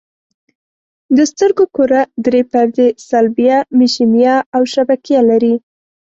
د سترګو کره درې پردې صلبیه، مشیمیه او شبکیه لري.